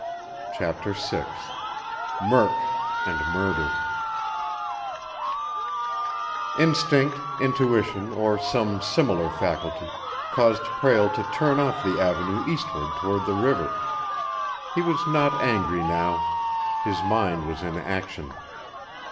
CHAPTER VI MURK AND MURDER Instinct, intuition, or some similar faculty caused Prale to turn off the Avenue eastward toward the river. He was not angry now. His mind was in action.